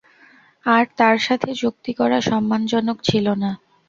আর তার সাথে চুক্তি করা সম্মানজনক ছিল না।